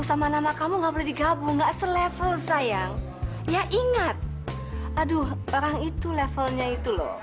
sama nama kamu nggak boleh digabung enggak selevel sayang ya ingat aduh orang itu levelnya itu loh